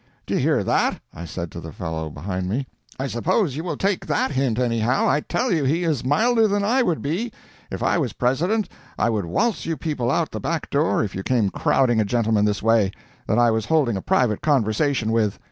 "Do you hear that?" I said to the fellow behind me. "I suppose you will take that hint, anyhow. I tell you he is milder than I would be. If I was President, I would waltz you people out at the back door if you came crowding a gentleman this way, that I was holding a private conversation with."